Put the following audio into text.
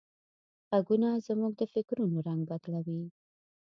غږونه زموږ د فکرونو رنگ بدلوي.